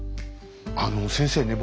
あの先生ね